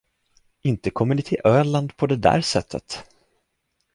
Inte kommer ni till Öland på det där sättet.